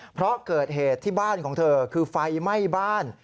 เพราะเกิดเหตุที่บ้านของเธอคือไฟไหม้บ้าน